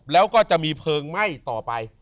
แล้วก็จะมีเพลิงไหม้ต่อไป